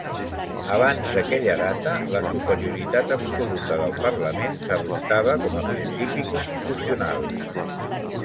Abans d'aquella data, la superioritat absoluta del parlament s'adoptava com a principi constitucional.